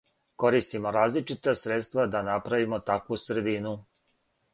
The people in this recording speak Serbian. Користимо различита средства да направимо такву средину.